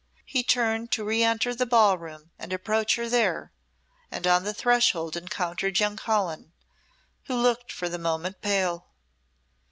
He turned to re enter the ball room and approach her there, and on the threshold encountered young Colin, who looked for the moment pale.